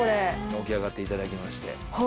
起き上がっていただきまして。